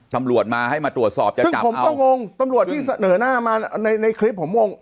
ตำรวจมาให้มาตรวจสอบจะจับผมก็งงตำรวจที่เสนอหน้ามาในในคลิปผมงง